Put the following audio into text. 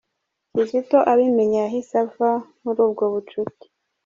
Kizito abimenye yahise ava muri ubwo bucuti.